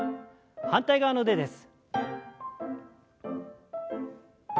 反対側の腕です。